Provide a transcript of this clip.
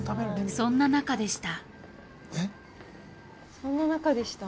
そんななかでした？